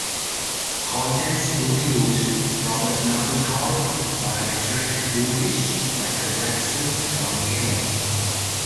Contents include: Robert Mapplethorpe, Margret Urlich, Michael Jackson, John Adam.